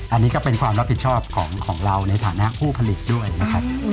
อันนี้ก็เป็นความรับผิดชอบของเราในฐานะผู้ผลิตด้วยนะครับ